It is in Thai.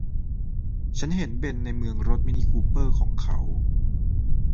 ฉันเห็นเบ็นในเมืองรถ มินิคูเปอร์ของเขา